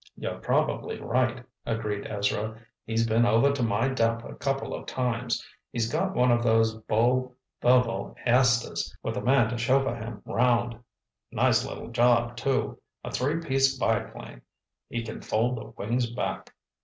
"You're probably right," agreed Ezra. "He's been over to my dump a couple of times. He's got one of those Buhl Verville Airsters, with a man to chauffeur him 'round. Nice little job, too. A three place biplane—he can fold the wings back.